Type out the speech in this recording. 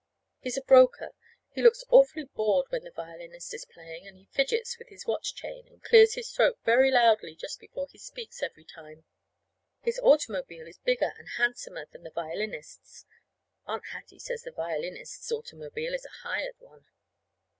He's a broker. He looks awfully bored when the violinist is playing, and he fidgets with his watch chain, and clears his throat very loudly just before he speaks every time. His automobile is bigger and handsomer than the violinist's. (Aunt Hattie says the violinist's automobile is a hired one.)